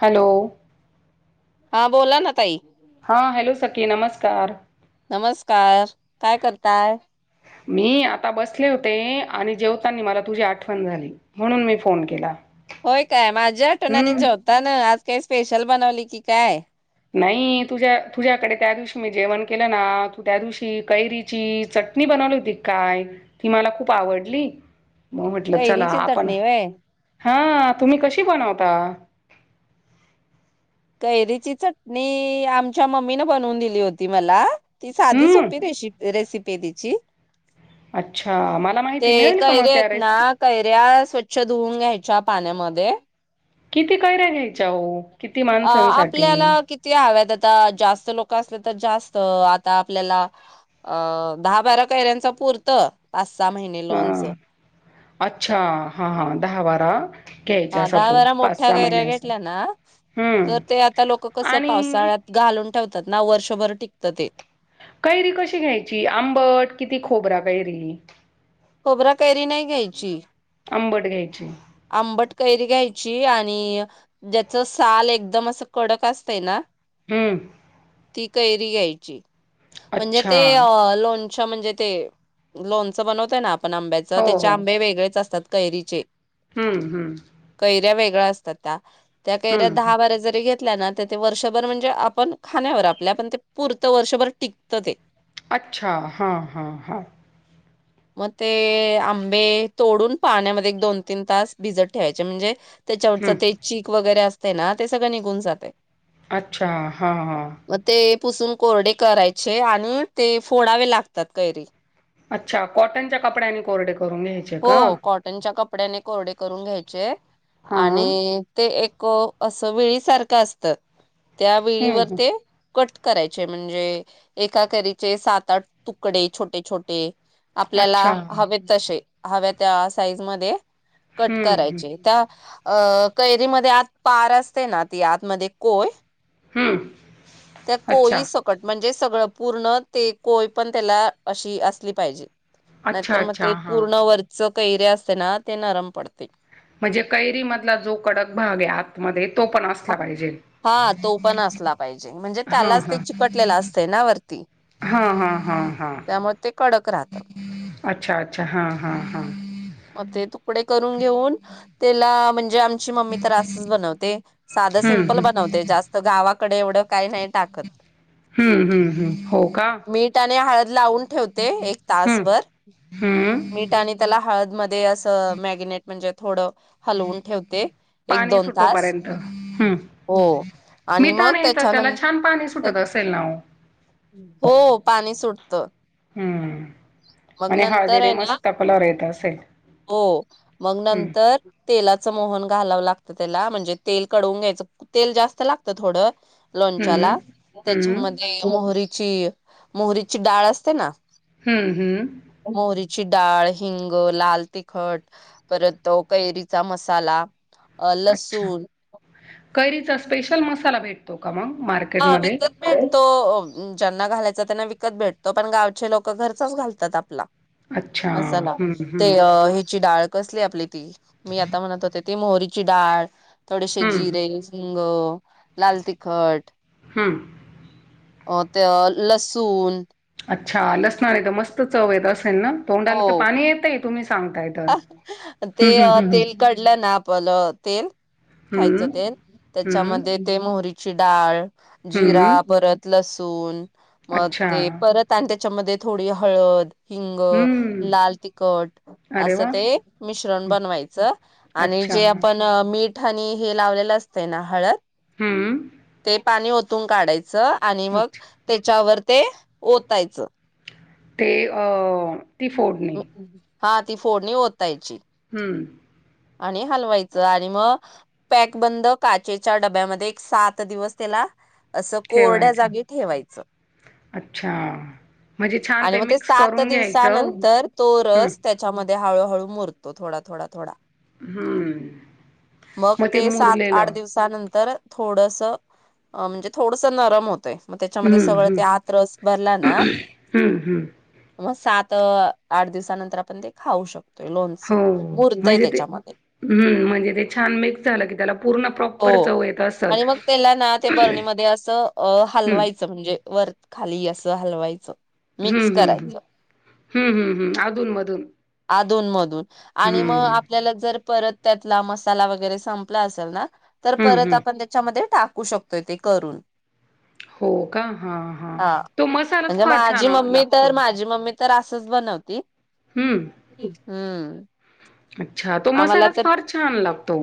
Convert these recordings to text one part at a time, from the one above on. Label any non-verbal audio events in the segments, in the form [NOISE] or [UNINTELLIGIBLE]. Hello हा बोला ना ताई हा हॅलो सकी नमस्क तार नमस्कार काय करताय मी आता बसले होते आणि जेवतानी मला तुझी आठवण झाली म्हणून मी फोन केला होय काय माझ्या आठवणान हं, जेवता ना आज काय स्पेशल बनवली की काय नाही तुझ्या तुझ्याकडे त्या दिवशी मी जेवण केलं ना तू त्या दिवशी कैरीची चटणी बनवली होती काय ती मला खूप आवडली कैरीची चटणी होय? हा तुम्ही कशी बनवता? कैरीची चटणी आमच्या मम्मीन बनवून दिली होती मला ती साधी हं, सोपी रेसिप रेसिप अच्छा मला [UNINTELLIGIBLE] ते माहिती मिळेल का मग कैऱ्यायत त्या आहेत ना रेस कैऱ्या स्वच् स्वच्छ धुवून घ्यायच्या पाण्यामध्ये किती कैऱ्या घ्यायच्या हो किती अ माणसांसाठी आपल्याला किती हव्यात आता जास्त लोक असले तर जास्त अ आता आपल्याला अ दहा बारा कैऱ्यांच पूरत हा अच्छा हा हा दहा बारा घ्यायच्या हा दहा सपोज बारा पाच मोठ्या सहा गैऱ्या महिन्याचा घेतल्या ना तर हम्म ते आता लोक कस आणि पावसाळ्यात घालून ठेवतात ना वर्षभर टिकत ते कैरी कशी घ्यायची आंबट किती खोबरा कैरी खोबरा कैरी नाही घ्यायची आंबट घ्यायची आंबट कैरी घ्यायची आणि ज्याच साल एकदम असं कडक असतं ना हम्म ती कैरी घ्यायची म्हणजे अच्छा ते लोण म्हणजे ते लोणचं बनवतयं ना पण आंब्याच हो त्याचे हो आंबे वेगळेच असतात कैरीचे हम्म हम्म [UNINTELLIGIBLE] असत्यात त्या त्या कैऱ्या हम्म हं. दहा बारा जरी घेत ना वर्षभर म्हणजे आपण खाण्यावर आपल्या पण ते पुरत वर्षभर टिकत ते अच्छा हा हा हा मग ते आंबे तोडून पाण्यामध्ये दोन तीन तास भिजत ठेवायचे म्हणजे त्याच्यावरच हं. ते चीक वगैरे अस ना ते सगळं निघून जाते अच्छा हा हा मग ते पुसून कोरडे करायचे आणि ते फोडावे लागतात कैरी अच्छा कॉटन च्या कपदडयाने कोरडे करून घ्यायचे का हो कॉटनच्या कपड्याने कोरडे करून घ्यायचे हां आणि ते एक को असं वेळीसारखं असत त्या हं वेळीवर हं ते कट करायचे म्हणजे एका कैरीचे सात आठ तुकडे छोटे छोटे अच्छा आपल्याला हं हवेत तसे हव्या त्या साईजमध्ये कट हं करायचे त्या अ कैरीमध्ये आत पार असते ना ती आतमध्ये कोय हम त्या कोयी सकट म्हणजे सगळं पूर्ण ते कोय पण त्याला अशी असली पाहिजे अच्छा नाहीतर मग अच्छा ते हां पूर्ण वरच कैरी असतेना ते नरम पडते. म्हणजे कैरी मधला जो कडक भाग आहे आ मध्ये हा तो पण असला पाहिजे, म्हणजे हां त्यालाच ते हां चिकटलेलं असतय ना वरती हां हां हां हां त्यामुळे ते कडक राहतं. अच्छा अच्छा हां हां हां मध्ये तुकडे करून घेऊन तेला म्हणजे आम ची मम्मी तर असच बनवते. साधं हम्म सिमपल हम्म बनवते जास्त गावाकडे एवढं काही नाही टाकत. हम्म हम्म हम्म हो का मी हळद लावून ठेवते एक हम्म तासभर हम्म मीठ आणि त्याला हळद ते असं मॅगिनेट म्हणजे थोडं हलवून ठेवते एक दोन तास हम्! हो आणि मिठा मग नाही तर त्याला त्याच्यानंतर छान पाणी सुटत असेल ना ओ? हो पाणी सुटतं. हम्म मग आणि नंतर हळदीने आहे ना, मस्त कलर येत असेल हो मग हम्म नंतर तेलाच मोहन घालावं लाग त्याला म्हणजे तेल कडवून घ्यायचं, तेल जास्त लागतं थोडं! हम्म लोणच्याला हम्म त्याच्यामध्ये मोहरी ची मोहरीची डाळ असते ना? हम्म हम्म! ची डाळ, हिंग, लाल तिखट, परत कैरीचा मसाला अ अच्छा लसुून कैरीचा स्पेशल मसाला भेटतो. का मग मार्केटमध्ये तो अ ज्यांना घालायचा त्यांना विकत भेटतो पण गावचे लोकं घरचाच घालतात आपला. अच्छा मसाला, हम्म ते हम्म ह्याची डाळ कसली आपली ती मी आता म्हणत होते, ती मोहरीची डाळ थोडेसे हं, जिरे, हिंग लाल तिखट हम! अ ते लसूण अच्छा लसनानं एकद मस्त चव येत असं हो तोंडाला तं पाणी येतंय तुम्ही सांगताय तर. ते हं, हं, हं, हं. तेल कढलं ना आपलं तेल खायचं हं, तेल त्याच्यामध्ये ते मोहरीची डाळ हं, जिरा हं. परत लसूण दोन मग अच्छा. ते परत आणि ते त्याच्यामध्ये थोडी हळद हिंग, हं. लाल, तिखट अरे असं वाह! ते मिश्रण बनवायचं आणि अच्छा. जे आपण मीठ आणि हे लावलेलं असतय ना हळद हं. ते पाणी ओत. पुसून काढायचं आणि मग अच्छा. त्याच्यावर ते ओतायचं. ते अ ती फोडणी हा ती फोडणी ओतायची. हम्म आणि हलवायचं आणि मग पॅक बंद काचेच्या डब्यामध्ये एक सात दिवस त्याला असं कोरड्या ठेवायचं. जागी ठेवायचं अच्छा. म्हणजे छान आणि मग ते मिक्स सात करून घ्यायचं. दिवसानंतर तो हं, रस त्याच्यामध्ये ते हळूहळू मुरतो थोडा थोडा थोडा हं. मग ते सात आठ दिवसानंतर थोडंसं म्हणजे थोडंसं नरम होत. होतेय मग त्याच्यामध्ये हं, सगळं हं. ते आत रस भरला ना हं, हं. मस्त होतेय. सात आठ दिवसानंतर आपण ते खाऊ शकतो लोणचं हो मुरतंय म्हणजे ते त्यांच्यामध्ये हम्म म्हणजे ते छान मिक्स झाले की त्याला पूर्ण प्रॉपर हो. चव येत असल. आणि मग त्याला ना ते बरणीमध्ये असं अ हलवायचं म्हणजे वर खाली असं हलवायचं हम्म मिक्स हम्म करायचं हम्म हम्म हम्म अधून मधून अधून मधून आणि मग हम्म आपल्याला जर परत त्यातला मसाला वगैरे संपला असेल ना तर हम्म परत हम्म आपण त्यांच्यामध्ये टाक. शकतो ते करून हो का हा हा तो मसालाचं म्हणजे फार छान माझी मम्मी तर लागतो. माझी मम्मी तर असचं बनवती हम्म ह्म्म्म अच्छा तो आम्हांला मसालाच तर फार छान लागतो.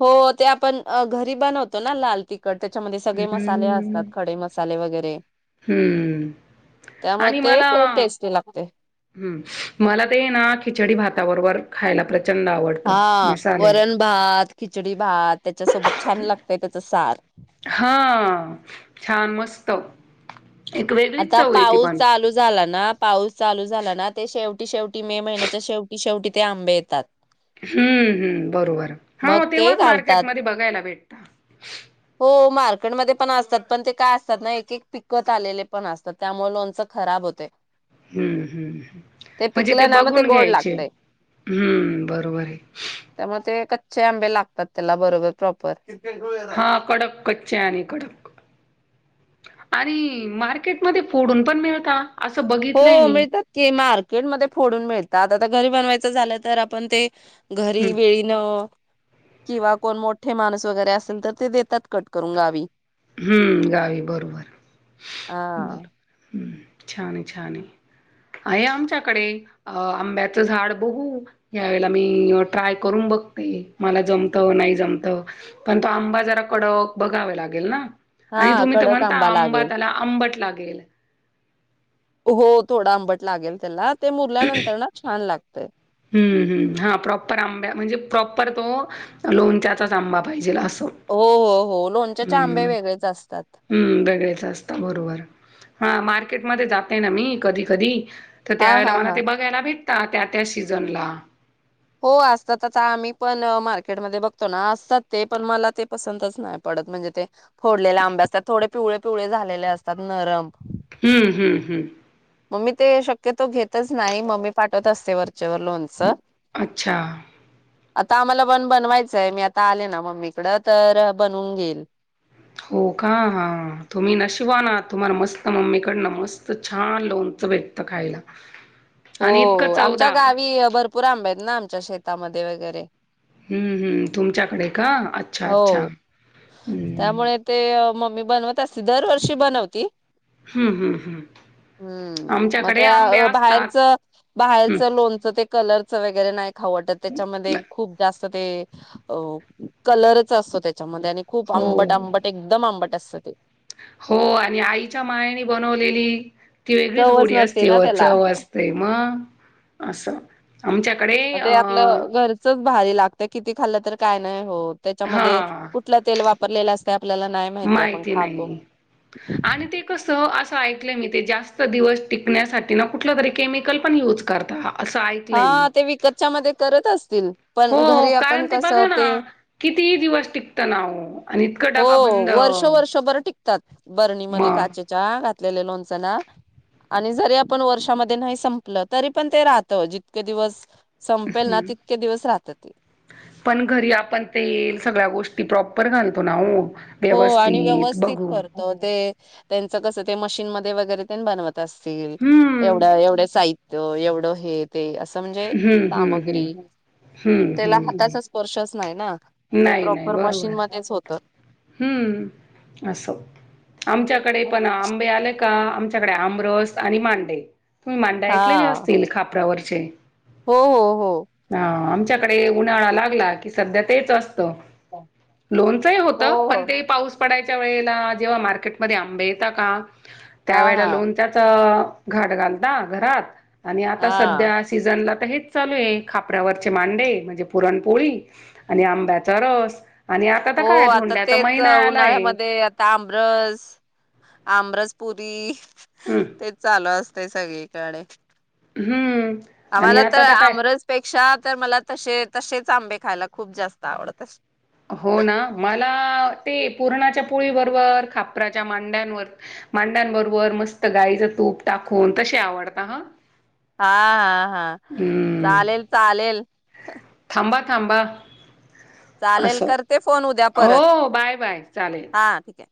हो ते आपण अ घरी बनवतो ना लाल तिखट. त्याच्यामध्ये सगळे मसाले हम्म असतात. खडे मसाले वगैरे हम्म त्यामुळे आणि ते मला ते टेस्टी लागते. मला ते हाय ना खिचडी भाता बरोबर खायला परत हा वरण भात खिचडी भात त्याच्या बरोबर छान लागतय. [UNINTELLIGIBLE] सार हा छान मस्त! एक वेगळीच आता चव येते पाऊस पण चालू झाला ना? पाऊस चालू झाला ना ते शेवटी शेवटी मे महिन्याच्या शेवटी शेवटी आंबे येतात. हमूहम्मू बरोबर हा मग ते तेव्हाच मार्केट घालतात मध्ये बगायला भेट [UNINTELLIGIBLE] हो मार्केट मध्ये पण असतात पण ते एक एक पिकत आलेले पण आसतात त्यामुळ लोणच खराब होतय. हम्म्म हम्म म्हणजे ते पिकलं ना मग बघून गोड घ्यायचे लागतय हम्मू बरोबर आहे त्यामुळे ते कच्चे आंबे लागतात त्याला बरोबर प्रॉपर हा कडक कच्चे आणि कडक आणि मार्केट मध्ये फोडून पण मिळता असं बघितलंय हो मी मिळतात की मार्केट मध्ये फोडून मिळत आता तर घरी बनवायचा झाल तर घरी हम्म विळीन किंवा कोण मोठे माणूस वगैरे असेल तर ते देतात कट करून गावी. हम्म गावी बर बर हा हुं हुं छान आहे छान आहे आहे आमच्या कडे आंब्याच झाड बघू या वेळेला मी ट्राय करून बघते मला जमत नाही जमत पण तो आंबा जरा कडक बघावं लागल ना? आणि हा तुम्ही तर कडक म्हणता आंबा लागेल त्याला आंबट लाग केल हो थोड आंबट लागेल त्याला ते हम्मू मुरल्यानंतर ना छान लागतय हम्मू हा प्रॉपर आंबे प्रॉपर परत तो लोणच्याच आंबा पाहिजे अस हो हो हो लोणच्याचे आंबे वेगळेच असता हम्म बरेच असता बरोबर हा मार्केट मध्ये जाते ना मी कधी कधी हा हा त्यावेळेला हा ते मला बघायला भे त्या त्या सिझन ला हो आसतात आता आम्ही पण मार्केट मध्ये बघतो ना, असतात ते पण मला ते पसंतच नाही पडत, म्हणजे ते फोडलेले आंबे असतात. थोडे पिवळे पिवळे झालेले असतात नरम. हम्म हम्म हम्म म मी ते शक्यतो घेतच नाही मम्मी पाटवत असते वरचेवर लोणच. अच्छा! आता आम्हाला पण बनवायचय मी आता आले ना मम्मी कड तर बनवून घेईन हो का? तुम्ही नशीबवान आहात. तुम्हाला मस्त मम्मीकडन मस्त छान लोणच भेटत खायला. आणि इतकं हो आमच्या चवदार. गावी भरपूर आंबे आहेत. ना आमच्या शेतामध्ये वगैरे हं हं तुमच्याकडे का? हो अच्छा-अच्छा हं. त्यामुळे ते मम्मी बनवत असं दर वर्षी बनवती हं-हं-हं हम्म मग आमच्याकडे आंबे त्या बाहेरच असतात हं. बाहेरचं लोणचं ते कलर चं वगैरे नाय खाऊ वाटत त्याच्या मध्ये खूप जास्त ते अ-अ कलर च असतो त्या म त्याने खूप हो. आंबट-आंबट एकदम आंबट असं [UNINTELLIGIBLE] हो आणि आईच्या मायेने बनवलेली ती वेगळीच चवच गोडी नसते असते ना व त्याला चव असतंय मं असं. आम आता हे आपलं घरचंच भारी लागतंय, किती खाल्लं तर काय नाय होत. त्याच्या मध्ये हां. कुठला तेल वाप परलेलं असत्यात माहिती नाही आणि ते कसं अ ऐकलय मी. ते जास्त दिवस टिकण्यासाठी ना, कुठलं तरी केमिकल पण युज करता हा हा त्या विकतच्या मध्ये करत असतील. पण हो घरी आपण कारण ते कसं बघा ना, कितीही दिवस टिकतं नाहो आणि इतकं हो डबा बंद. वर्ष वर्षभर म घातलेल लोणचं ना आणि जरी आपण वर्षामध्ये नाही संपल तरी पण ते राह जितके दिवस संपेल ना हं! तितके दिवस राहत ते पण घरी आपण तेल सगळ्या गोष्टी प्रॉप [UNINTELLIGIBLE] तुला ओ हो आणि व्यवस्थित करतो ते त्या त कसं ते मशीन मध्ये वैगरे ते बनवत तसेल हम्म एवढं-एवढं साहित्य एव हे ते असं म्हणजे हम्म हम्म सामग्री हम्म हम्म त्यला हम्म हम्म. हाताचा स्पर्शच नाही ना. ते प्रॉपर मशीन मध्येच होतं. हं! असं आमच्याकडे पण होत आंबे आले का आमच्या कडे आमरस आणि मांडे हम्म मांडा हा ऐकलेले असतील खापरावर चैन हो हो हो त्याकडे उन्हाळा लागला की सध्या तेच अस लोणचही हो होतं पण हो ते पाऊस पडायच्या त्यावेळेला जेव्हा मार्केटमध्ये आंबे येता का हा त्यावेळेला हा लोणच्याचा अ घाट घालता घरात आणि आता हा सध्या सीझनला तर हेच चालूये खापऱ्यावरचे मांडे म्हणजे पुरणपोळी आणि आंब्याचा रस आणि आता तर हो काय आता धोंड्याचा तेच महिना आलाय उन्हाळ्यामध्ये आता आमरस आमरस पुरी हम्म तेच चालू अस ते सगळीकडे हम्म आणि आम्हाला तर आता काय आमरस पेक्षा तर मला तशे तशेच आंबे खायला खूप जास्त आवडतात. हो ना मला ते पुूरणाच्या पोळी बरोबर खापराच्या मांड्यांवर मांड्यांबरोबर मस्त गाईचं तूप टाकून तसे आवडता हा हा हा हा चालेल चालेल थांबा, थांबा चालेल असं. करते फोन उद्या परत हो, बाय, बाय. चालेल. हा ठीक हाय